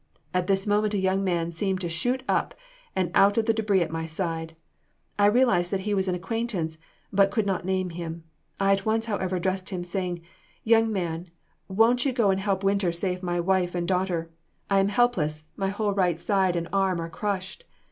At this moment a young man seemed to shoot up and out of the debris at my side; I realized that he was an acquaintance, but could not name him. I at once, however, addressed him, saying, 'Young man, won't you go and help Winter save my wife and daughter? I am helpless; my whole right side and arm are crushed.